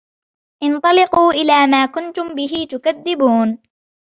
انْطَلِقُوا إِلَى مَا كُنْتُمْ بِهِ تُكَذِّبُونَ